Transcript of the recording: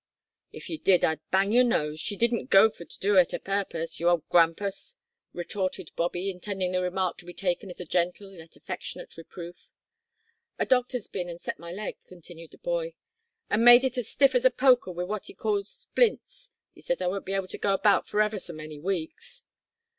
"If you did I'd bang your nose! She didn't go for to do it a purpose, you old grampus," retorted Bobby, intending the remark to be taken as a gentle yet affectionate reproof. "A doctor's bin an' set my leg," continued the boy, "an' made it as stiff as a poker wi' what 'e calls splints. He says I won't be able to go about for ever so many weeks."